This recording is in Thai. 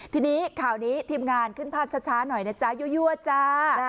ทีนี้ข่าวนี้ทีมงานขึ้นภาพช้าหน่อยนะจ๊ะยั่วจ้า